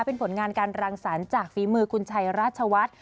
เป็นผลงานการรังสรรค์จากฝีมือคุณชัยราชวัฒน์